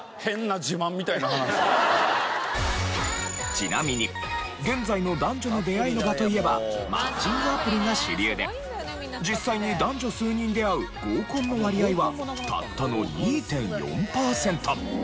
ちなみに現在の男女の出会いの場といえばマッチングアプリが主流で実際に男女数人で会う合コンの割合はたったの２．４パーセント。